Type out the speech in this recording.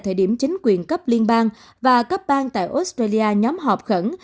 thời điểm chính quyền cấp liên bang và cấp bang tại australia nhóm họp khẩn